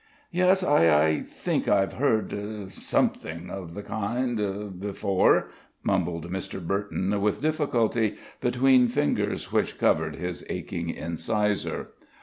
"Yes, I think I've heard something of the kind before," mumbled Mr. Burton, with difficulty, between the fingers which covered his aching incisor.